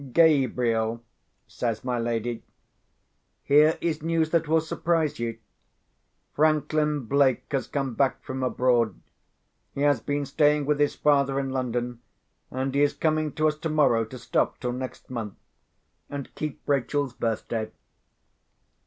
"Gabriel," says my lady, "here is news that will surprise you. Franklin Blake has come back from abroad. He has been staying with his father in London, and he is coming to us tomorrow to stop till next month, and keep Rachel's birthday."